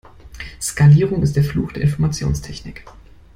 Skalierung ist der Fluch der Informationstechnik.